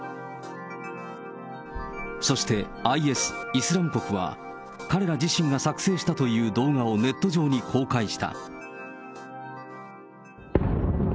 そして、ＩＳ・イスラム国は、彼ら自身が作成したという動画をネット上に公開した。